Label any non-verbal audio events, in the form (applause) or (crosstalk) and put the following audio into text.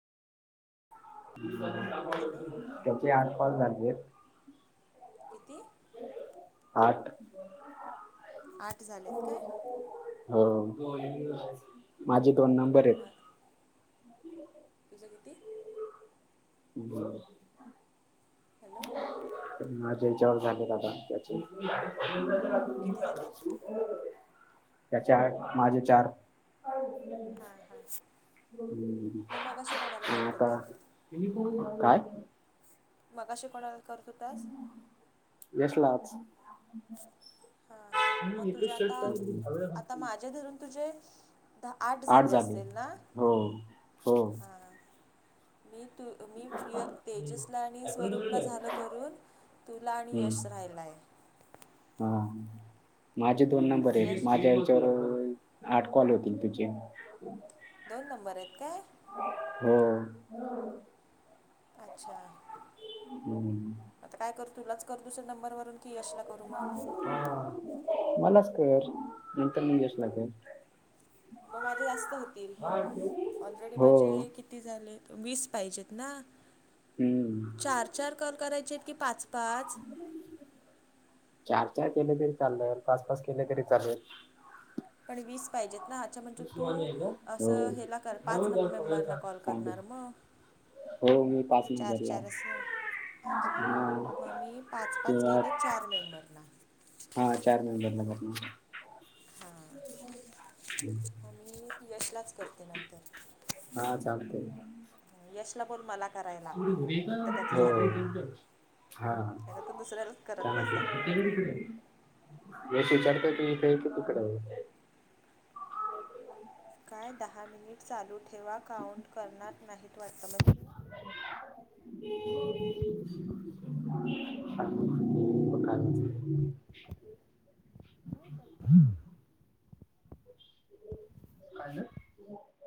(unintelligible) Hello. त्याचे आठ pass झाले. किती. आठ. आठ झालेत काय हो माझे दोन नंबर आहेत मग तुझं किती? बरं हॅलो माझ्या हेच्यावर झालेत आता किती झालेत त्याचे आठ माझे चार हां हां हम्म मग मगाशी कोणाला करत आता होतास काय मगाशी कोणाला करत होतास? यशलाच हा हा मग तुझ्या आता, आता माझे धरून तुझे दहा, आठ झाले असतील ना? हो हो हां मी तू, मी प्रिय, हम्म. तेजसला आणि, स्वरूपला झालं करून तुला आणि यश राहिलाय हा माझे दोन नंबर आता आहेत यश माझ्या तर आठ कॉल होतील तुझे दोन नंबर आहेत काय? हो. अच्छा हम्म आता काय करू तुलाच करते दुसऱ्या नंबरवरून की यश ला मलाच कर, नंतर मग यशला कर मग माझे जास्त होतील, ऑलरेडी हो माझे कि किती झाले वीस पाहिजेत ना हम्म चार चार कॉल करायचे की पाच-पाच चार - चार केले तरी चालले, पाच-पाच केले तरी चालेल पण वीस पाहिजेत ना अच्छा हो तू सांगेल असं हेला कर पाच मेंबर ना कॉल कर करणार मग हो मी पाच नंबरला चार-चार अस अच्छा मग हा मी पाच-पाच किंवा केले चार मेंबरना हा चार मेंबरना करणार हम्म आणि यशलाच करते नंतर हा चालतय यशला बोल मला करायला नंतर त्याचं हो. झालं की हा आता तू दुसऱ्यालाच करत बसेल चालेल चालेल यश विचारतो की इकडे आहे कि तिकडे आहे? काय दहा मिनिट चालू ठेवा काउंट करणार नाहीत वाटतं मग (inaudible) (unintelligible) (inaudible) हा खायला